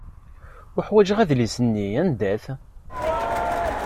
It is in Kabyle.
Uḥwajeɣ adlis-nni! Anda-t?